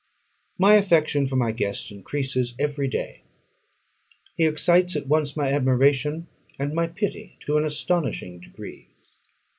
My affection for my guest increases every day. He excites at once my admiration and my pity to an astonishing degree.